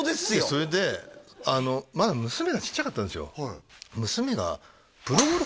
それでまだ娘がちっちゃかったんですよ